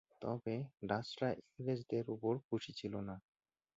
তবে ডাচ রা ইংরেজ দের উপর খুশি ছিলনা।